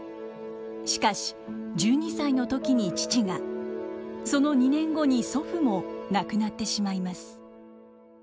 しかし１２歳の時に父がその２年後に祖父も亡くなってしまいます。